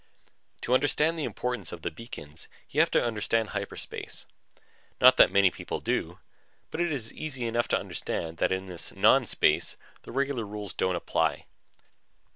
To understand the importance of the beacons, you have to understand hyperspace. Not that many people do, but it is easy enough to understand that in this non space the regular rules don't apply.